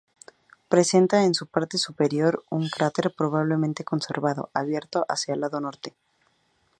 Presenta en su parte superior un cráter pobremente conservado, abierto hacia el lado norte.